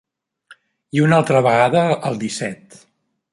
I una altra vegada el disset.